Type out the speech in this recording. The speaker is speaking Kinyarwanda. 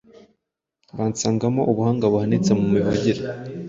basangamo ubuhanga buhanitse mu mivugire